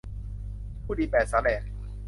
ผู้ดีแปดสาแหรก